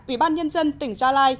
ủy ban nhân dân tỉnh gia lai